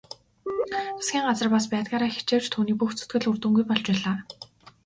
Засгийн газар бас байдгаараа хичээвч түүний бүх зүтгэл үр дүнгүй болж байлаа.